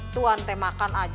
tuan teh makan aja